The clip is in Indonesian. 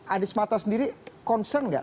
anies mata sendiri concern nggak